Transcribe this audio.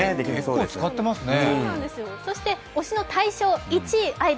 結構使ってますね。